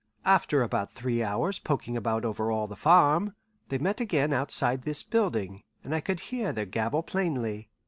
After about three hours' poking about over all the farm, they met again outside this building, and I could hear their gabble plainly.